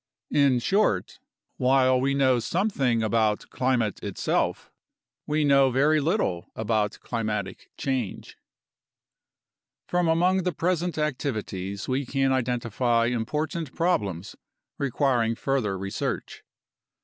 In short, while we know something about climate itself, we know very little about climatic change. From among the present activities we can identify important prob lems requiring further research.